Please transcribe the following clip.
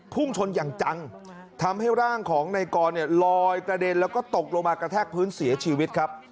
พุ่งชนอย่างจังทำให้ร่างของนายกรเนี่ยลอยกระเด็นแล้วก็ตกลงมากระแทกพื้นเสียชีวิตครับ